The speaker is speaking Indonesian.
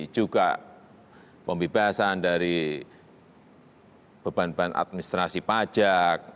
juga pembebasan dari beban beban administrasi pajak